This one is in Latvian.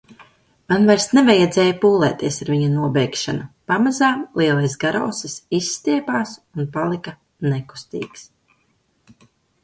Man vairs nevajadzēja pūlēties ar viņa nobeigšanu, pamazām lielais garausis izstiepās un palika nekustīgs.